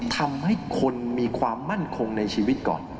ทำให้คนมีความมั่นคงในชีวิตก่อน